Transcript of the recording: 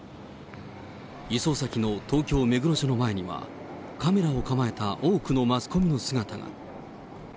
移送先の東京・目黒署の前には、カメラを構えた多くのマスコミの姿が。